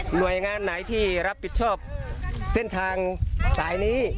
หน่วยงานไหนที่รับผิดชอบเส้นทางสายนี้